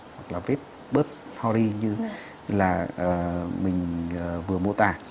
hoặc là vết bớt hori như là mình vừa mô tả